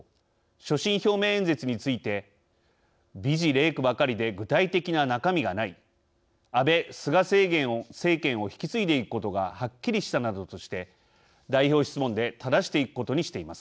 所信表明演説について「美辞麗句ばかりで具体的な中身がない」「安倍・菅政権を引き継いでいくことがはっきりした」などとして代表質問で正していくことにしています。